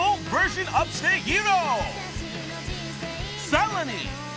［さらに］